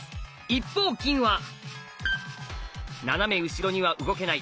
一方金は斜め後ろには動けない。